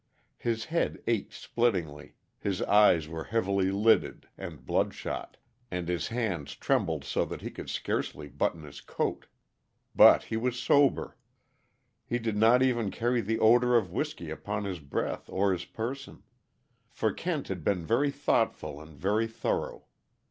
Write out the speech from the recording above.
His head ached splittingly; his eyes were heavy lidded and bloodshot, and his hands trembled so that he could scarcely button his coat. But he was sober. He did not even carry the odor of whisky upon his breath or his person; for Kent had been very thoughtful and very thorough.